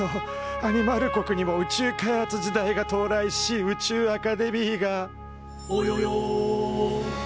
アニマル国にも宇宙開発時代が到来し宇宙アカデミーが「およよ！？」と誕生。